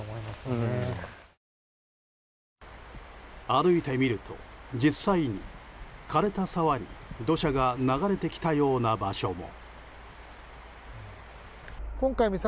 歩いてみると実際に枯れた沢に土砂が流れてきたような場所も。